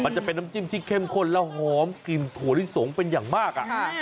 มันจะเป็นน้ำจิ้มที่เข้มข้นและหอมกลิ่นถั่วลิสงเป็นอย่างมาก